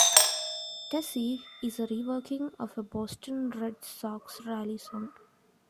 "Tessie" is a reworking of a Boston Red Sox rally song.